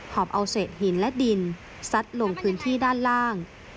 อบเอาเศษหินและดินซัดลงพื้นที่ด้านล่าง